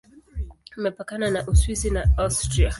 Imepakana na Uswisi na Austria.